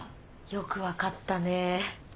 よく分かったね。